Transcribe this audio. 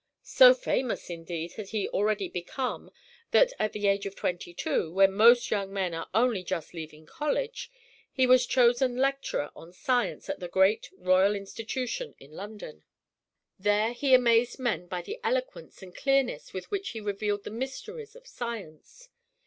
So famous indeed had he already become, that at the age of twenty two when most young men are only just leaving college he was chosen lecturer on science at the great Royal Institution in London. There he amazed men by the eloquence and clearness with which he revealed the mysteries of science.